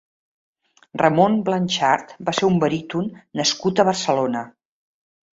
Ramon Blanchart va ser un baríton nascut a Barcelona.